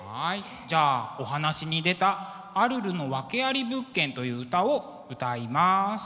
じゃあお話に出た「アルルの訳あり物件」という歌を歌います。